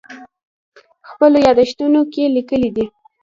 خپلو یادښتونو کې لیکلي دي.